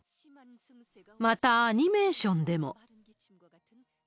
また、アニメーションでも。